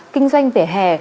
kinh doanh vẻ hẻ